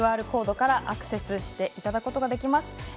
ＱＲコードからアクセスしていただくことができます。